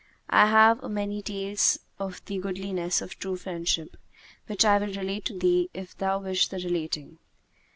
I have a many tales of the goodliness of true friendship, which I will relate to thee if thou wish the relating."